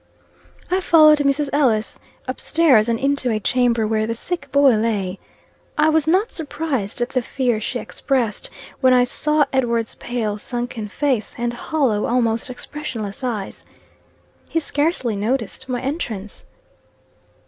I followed Mrs. Ellis up stairs, and into a chamber, where the sick boy lay. I was not surprised at the fear she expressed, when I saw Edward's pale, sunken face, and hollow, almost expressionless eyes. He scarcely noticed my entrance.